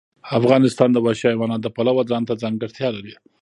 افغانستان د وحشي حیوانات د پلوه ځانته ځانګړتیا لري.